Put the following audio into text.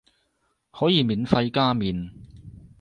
可以免費加麵